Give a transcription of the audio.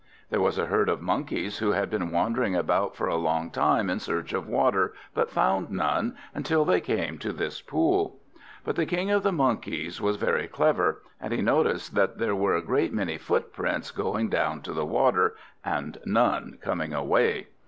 There was a herd of monkeys who had been wandering about for a long time in search of water, but found none, until they came to this pool. But the King of the Monkeys was very clever, and he noticed that there were a great many footprints going down to the water, and none coming away.